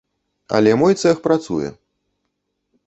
Але мой цэх працуе.